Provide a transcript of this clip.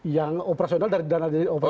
yang operasional dari dana operasional